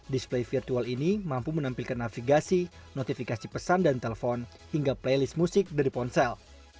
display virtual ini mampu menampilkan navigasi notifikasi pesan dan telepon hingga playlist musik dari ponsel